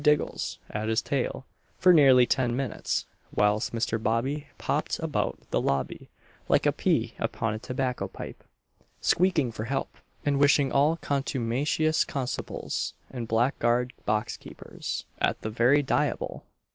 Diggles at his tail, for nearly ten minutes; whilst Mr. Bobby popped about the lobby like a pea upon a tobacco pipe; squeaking for help, and wishing all contumacious constables, and "blackguard box keepers," at the very diable!